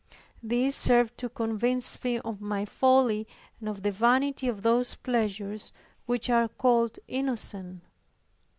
This served to convince me of my folly and of the vanity of those pleasures which are called innocent.